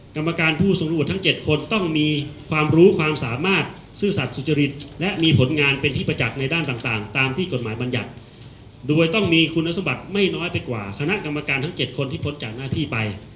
ดำเนินการเพื่อให้ได้คณะประการที่มีคุณสมบัติ